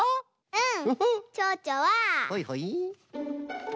うん。